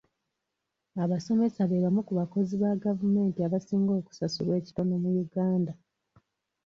Abasomesa be bamu ku bakozi ba gavumenti abasinga okusasulwa ekitono mu Uganda.